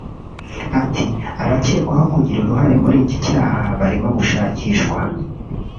Ati “Abakekwaho kugira uruhare muri iki cyaha barimo gushakishwa